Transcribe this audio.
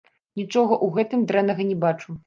Нічога ў гэтым дрэннага не бачу.